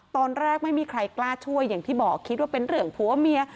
ตอนแรกไม่มีใครกล้าช่วยอย่างที่บอกคิดว่าเป็นเรื่องผัวเมีย